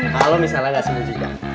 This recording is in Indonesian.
kalo misalnya ga seneng juga